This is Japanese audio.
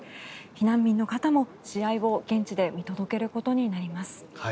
避難民の方も試合を現地で見届けることになります。